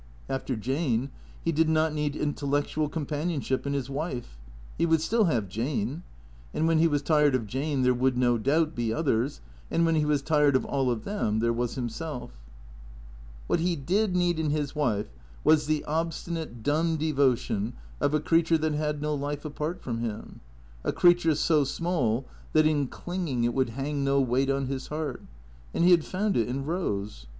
After Jane, he did not need intellectual com panionship in his wife. He would still have Jane. And when he was tired of Jane there would, no doubt, be others ; and when he was tired of all of them, there was himself. What he did need in his wife was the obstinate, dumb devo tion of a creature that had no life apart from him; a creature so small that in clinging it would hang no weight on his heart. And he had found it in Rose.